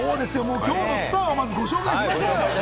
きょうのスターをまずご紹介しましょう。